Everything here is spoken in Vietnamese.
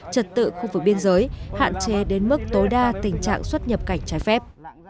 trật tự khu vực biên giới hạn chế đến mức tối đa tình trạng xuất nhập cảnh trái phép